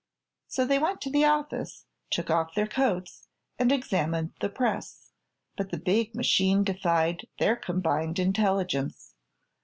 So they went to the office, took off their coats and examined the press; but the big machine defied their combined intelligence.